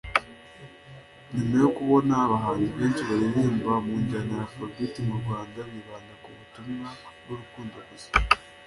nyuma yo kubona abahanzi benshi baririmba mu njyana ya Afrobeat mu Rwanda bibanda ku butumwa bw’urukundo gusa